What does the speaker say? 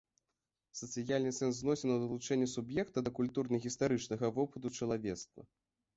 Сацыяльны сэнс зносін у далучэнні суб'екта да культурна-гістарычнага вопыту чалавецтва.